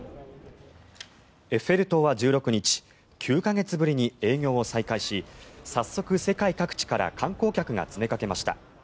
エッフェル塔は１６日９か月ぶりに営業を再開し早速、世界各地から観光客が詰めかけました。